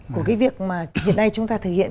của cái việc mà hiện nay chúng ta thực hiện